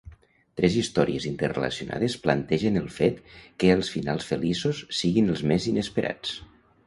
Tres històries interrelacionades plantegen el fet que els finals feliços siguin els més inesperats.